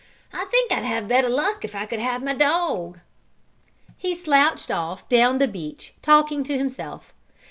I think I'd have better luck if I could have my dog!" He slouched off down the beach, talking to himself.